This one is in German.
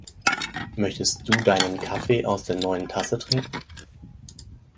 Möchtest Du deinen Kaffee aus der neuen Tasse trinken?